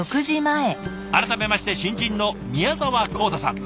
改めまして新人の宮澤晃汰さん。